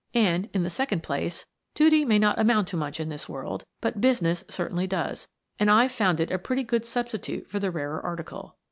And, in the second place, duty may not amount to much in this world, but business certainly does, and I've found it a pretty good substitute for the rarer article.